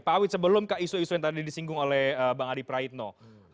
pak awit sebelum ke isu isu yang tadi disinggung oleh bang adi praitno